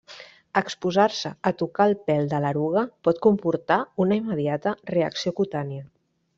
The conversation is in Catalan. Exposar-se a tocar el pèl de l'eruga pot comportar una immediata reacció cutània.